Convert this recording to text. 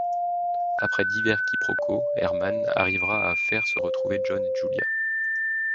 Après divers quiproquos, Herman arrivera à faire se retrouver John et Julia...